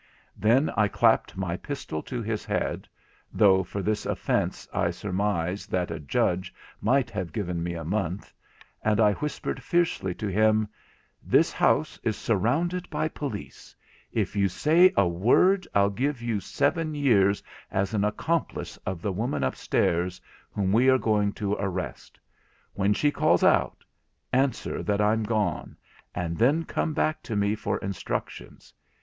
Then I clapped my pistol to his head (though for this offence I surmize that a judge might have given me a month), and I whispered fiercely to him: 'This house is surrounded by police; if you say a word I'll give you seven years as an accomplice of the woman upstairs, whom we are going to arrest. When she calls out, answer that I'm gone, and then come back to me for instructions.